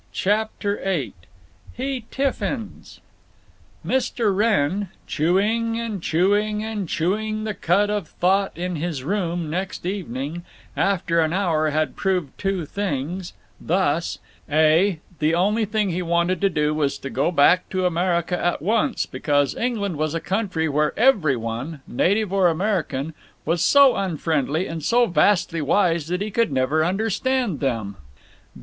N. CHAPTER VIII HE TIFFINS Mr. Wrenn, chewing and chewing and chewing the cud of thought in his room next evening, after an hour had proved two things; thus: (a) The only thing he wanted to do was to go back to America at once, because England was a country where every one—native or American—was so unfriendly and so vastly wise that he could never understand them.